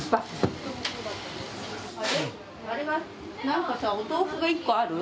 何かさお豆腐が一個ある？